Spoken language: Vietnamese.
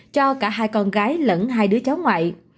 cho cả hai con gái lẫn hai đứa cháu ngoại